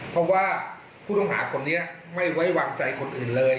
เพราะว่าผู้ต้องหาคนนี้ไม่ไว้วางใจคนอื่นเลย